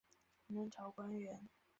南朝官员。